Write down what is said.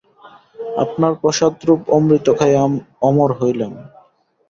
আপনার প্রসাদরূপ অমৃত খাইয়া অমর হইলাম।